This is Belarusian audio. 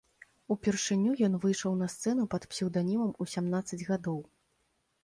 Упершыню ён выйшаў на сцэну пад псеўданімам у сямнаццаць гадоў.